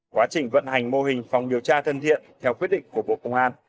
quá trình vận hành mô hình phòng điều tra thân thiện theo quyết định của bộ công an